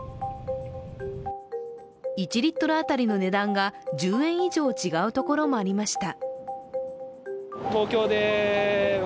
１リットル当たりの値段が１０円以上違うところもありました。